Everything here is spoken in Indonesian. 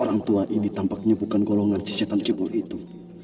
orang tua ini tampaknya bukan golongan si setan cebol itu